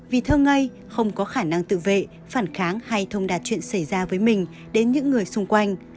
vì thơ ngay không có khả năng tự vệ phản kháng hay thông đạt chuyện xảy ra với mình đến những người xung quanh